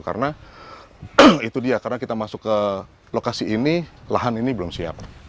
karena itu dia karena kita masuk ke lokasi ini lahan ini belum siap